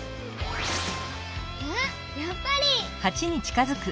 あやっぱり！